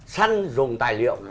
xăn dùng tài liệu